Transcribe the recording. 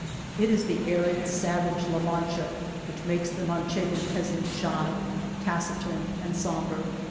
It is arid, savage La Mancha which makes the Manchegan peasants shy, taciturn, and sombre.